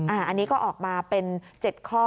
อันนี้ก็ออกมาเป็น๗ข้อ